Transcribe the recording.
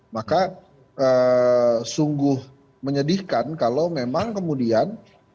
maka sungguh menyedihkan kalau memang kemudian